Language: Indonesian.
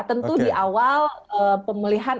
tentu di awal pemulihan